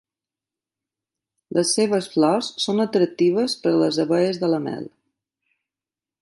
Les seves flors són atractives per les abelles de la mel.